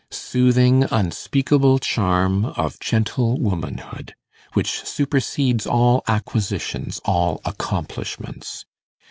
Soothing, unspeakable charm of gentle womanhood! which supersedes all acquisitions, all accomplishments.